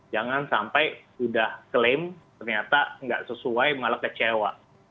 jangan sampai sudah klaim ternyata nggak sesuai malah kecewa